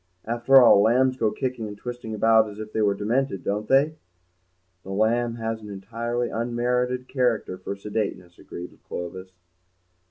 After all, lambs go kicking and twisting about as if they were demented, don't they?" "The lamb has an entirely unmerited character for sedateness," agreed Clovis.